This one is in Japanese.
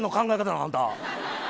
なんあんた。